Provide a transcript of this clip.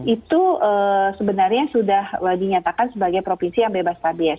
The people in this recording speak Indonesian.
itu sebenarnya sudah lagi nyatakan sebagai provinsi yang bebas rabies